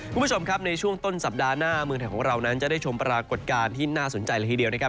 คุณผู้ชมครับในช่วงต้นสัปดาห์หน้าเมืองไทยของเรานั้นจะได้ชมปรากฏการณ์ที่น่าสนใจละทีเดียวนะครับ